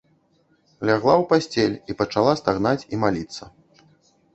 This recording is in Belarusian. Лягла ў пасцель і пачала стагнаць і маліцца.